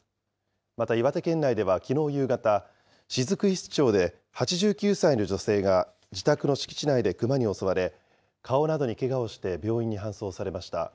また、岩手県内ではきのう夕方、雫石町で８９歳の女性が自宅の敷地内でクマに襲われ、顔などにけがをして病院に搬送されました。